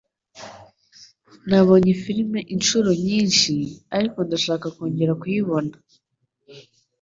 Nabonye film inshuro nyinshi, ariko ndashaka kongera kuyibona.